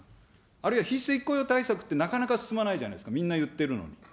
あるいは非正規雇用対策って、なかなか進まないじゃないですか、みんな言ってるのに。